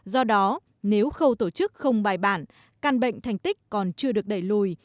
do đó nếu khâu tổ chức không bài bản căn bệnh thành tích còn chưa được đẩy lùi